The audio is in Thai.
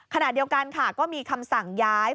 ขณะเดียวกันค่ะก็มีคำสั่งย้าย